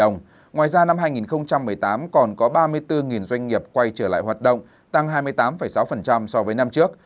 ngoài ra năm hai nghìn một mươi tám còn có ba mươi bốn doanh nghiệp quay trở lại hoạt động tăng hai mươi tám sáu so với năm trước